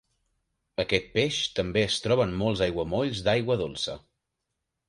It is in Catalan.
Aquest peix també es troba en molts aiguamolls d'aigua dolça.